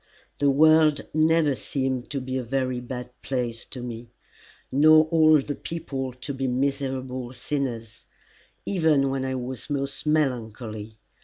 The world never seemed to be a very bad place to me, nor all the people to be miserable sinners, even when I was most melancholy.